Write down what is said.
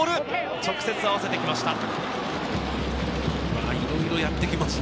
直接合わせていきました。